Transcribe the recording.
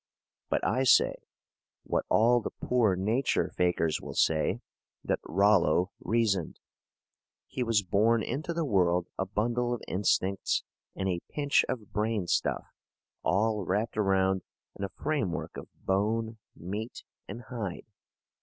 But I say, what all the poor nature fakers will say, that Rollo reasoned. He was born into the world a bundle of instincts and a pinch of brain stuff, all wrapped around in a framework of bone, meat, and hide.